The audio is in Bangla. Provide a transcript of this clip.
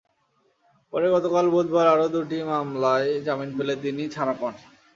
পরে গতকাল বুধবার আরও দুটি মামলায় জামিন পেলে তিনি ছাড়া পান।